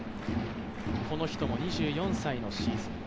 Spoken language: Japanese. この人も２４歳のシーズン。